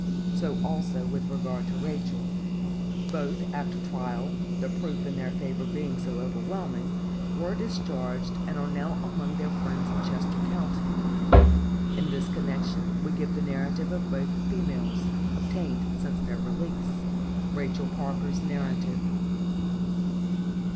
So also with regard to Rachel. Both, after trial,—the proof in their favor being so overwhelming,—were discharged, and are now among their friends in Chester county. In this connection we give the narratives of both females, obtained since their release. _Rachel Parker's Narrative.